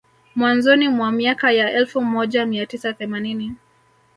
Mwanzoni mwa miaka ya elfu moja mia tisa themanini